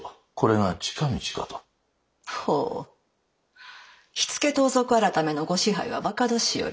ほう火付盗賊改のご支配は若年寄。